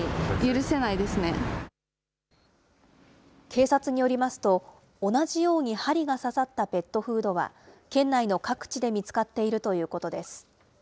警察によりますと、同じように針が刺さったペットフードは、県内の各地で見つかっているということです。